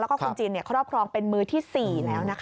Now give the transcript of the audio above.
แล้วก็คนจีนครอบครองเป็นมือที่๔แล้วนะคะ